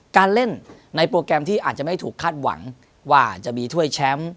การเล่นในโปรแกรมที่อาจจะไม่ถูกคาดหวังว่าจะมีถ้วยแชมป์